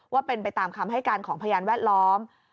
ว่าเป็นไปตามคำให้การของพยานแวดล้อม